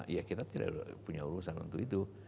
ya kita tidak punya urusan untuk itu